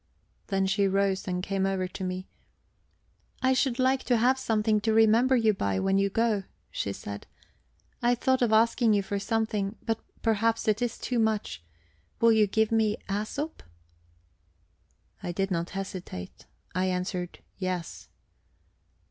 Then she rose and came over to me. "I should like to have something to remember you by when you go," she said. "I thought of asking you for something, but perhaps it is too much. Will you give me Æsop?" I did not hesitate. I answered "Yes."